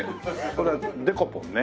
これはデコポンね。